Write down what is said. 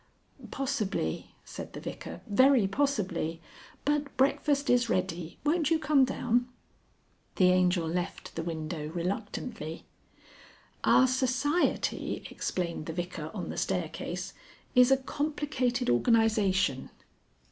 "Possibly," said the Vicar, "very possibly. But breakfast is ready. Won't you come down?" The Angel left the window reluctantly. "Our society," explained the Vicar on the staircase, "is a complicated organisation."